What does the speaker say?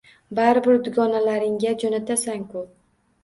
- Baribir dugonalaringga jo'natasan-ku!..